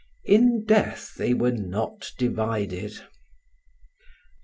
"In death they were not divided."